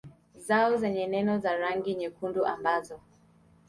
zao zenye nene za rangi nyekundu ambazo